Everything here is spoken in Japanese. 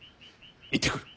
行ってくる。